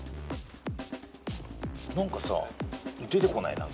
何かさ出てこない？